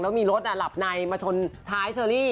แล้วมีรถหลับในมาชนท้ายเชอรี่